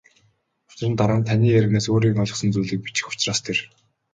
Учир нь дараа нь таны ярианаас өөрийн ойлгосон зүйлийг бичих учраас тэр.